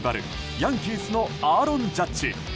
ヤンキースのアーロン・ジャッジ。